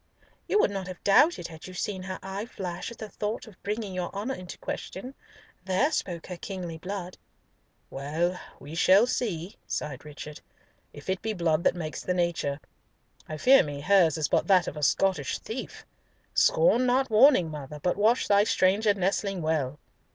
"You would not have doubted had you seen her eye flash at the thought of bringing your honour into question. There spoke her kingly blood." "Well, we shall see," sighed Richard, "if it be blood that makes the nature. I fear me hers is but that of a Scottish thief! Scorn not warning, mother, but watch thy stranger nestling well."